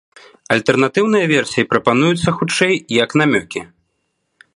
Альтэрнатыўныя версіі прапануюцца, хутчэй, як намёкі.